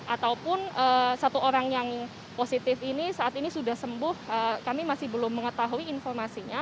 ataupun satu orang yang positif ini saat ini sudah sembuh kami masih belum mengetahui informasinya